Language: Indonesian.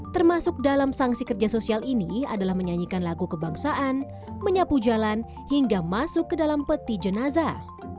termasuk dalam sanksi kerja sosial ini adalah menyanyikan lagu kebangsaan menyapu jalan hingga masuk ke dalam peti jenazah